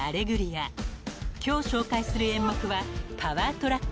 ［今日紹介する演目は］